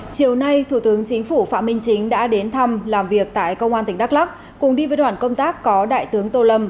chiều nay thủ tướng chính phủ phạm minh chính đã đến thăm làm việc tại công an tỉnh đắk lắc cùng đi với đoàn công tác có đại tướng tô lâm